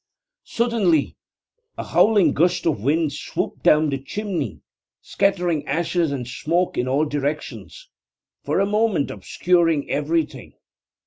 Suddenly a howling gust of wind swooped down the chimney, scattering ashes and smoke in all directions, for a moment obscuring everything.